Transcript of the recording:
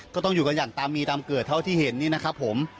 ก็ต้องอยู่กันอย่างตามมีตามเกิดเท่าที่เห็นนี่นะครับผม